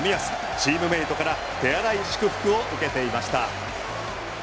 チームメートから手荒い祝福を受けていました。